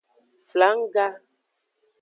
Flangga.